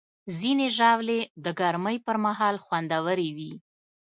ځینې ژاولې د ګرمۍ پر مهال خوندورې وي.